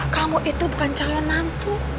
kamu itu bukan calon nantu